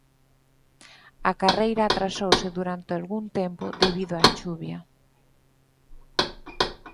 A carreira atrasouse durante algún tempo debido á chuvia.